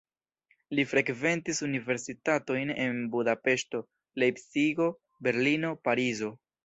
Li frekventis universitatojn en Budapeŝto, Lejpcigo, Berlino, Parizo.